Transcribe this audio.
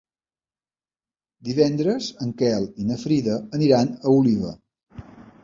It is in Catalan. Divendres en Quel i na Frida aniran a Oliva.